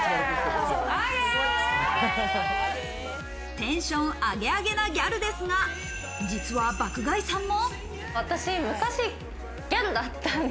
テンションアゲアゲなギャルですが、実は爆買いさんも。